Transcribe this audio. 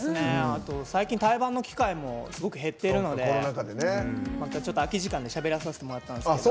最近、対バンの機会もすごく減っているのでまた空き時間でしゃべらさせてもらったんですけど。